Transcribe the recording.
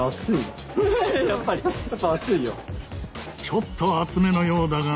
ちょっと熱めのようだが。